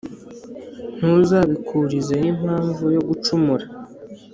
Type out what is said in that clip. ntuzabikurizeho impamvu yo gucumura.